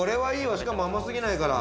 しかも甘過ぎないから。